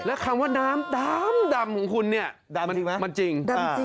แล้วคำว่าน้ำดำของคุณดำมาจริงไหมดำจริง